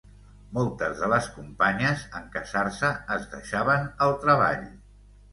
Moltes de les companyes, en casar-se, es deixaven el treball.